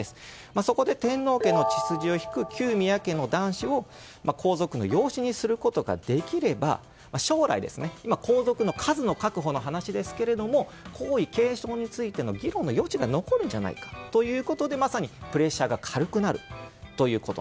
そこで天皇家の血筋を引く旧宮家の男子を皇族の養子にできれば将来、皇族の数の話ですけど皇位継承の議論の余地が残るんじゃないかということでプレッシャーが軽くなると。